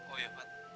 oh ya fat